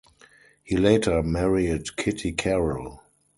He later married Kitty Carrol.